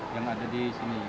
yang ada di sini